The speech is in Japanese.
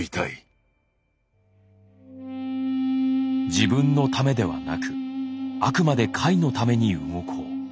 自分のためではなくあくまで甲斐のために動こう。